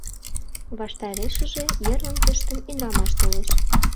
Ваштарешыже, йыр ончыштын, ӱдрамаш толеш.